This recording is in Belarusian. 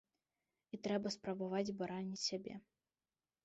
І трэба спрабаваць бараніць сябе.